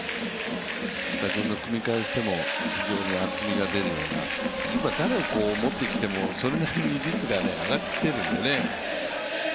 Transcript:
打順の組み替えしても非常に厚みが出るような、今、誰を持ってきてもそれなりに率が上がってきているのですね。